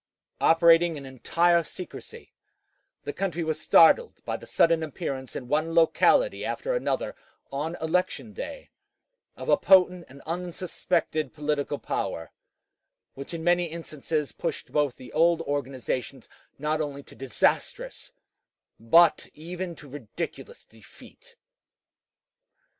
Operating in entire secrecy, the country was startled by the sudden appearance in one locality after another, on election day, of a potent and unsuspected political power, which in many instances pushed both the old organizations not only to disastrous but even to ridiculous defeat.